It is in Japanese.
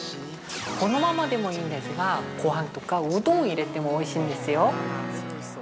◆このままでもいいんですがごはんとかうどんを入れてもおいしいんですよ。